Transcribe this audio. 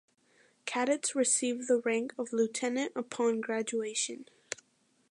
Cadets receive the rank of Lieutenant upon graduation.